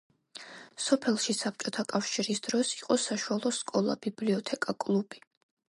სოფელში საბჭოთა კავშირის დროს იყო საშუალო სკოლა, ბიბლიოთეკა, კლუბი.